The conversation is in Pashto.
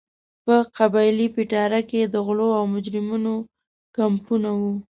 په قبایلي پټاره کې د غلو او مجرمینو کمپونه وو.